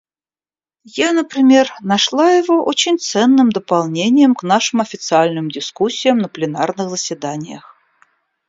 Я, например, нашла его очень ценным дополнением к нашим официальным дискуссиям на пленарных заседаниях.